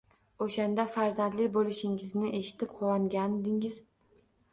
O`shanda farzandli bo`lishingizni eshitib, quvongandingiz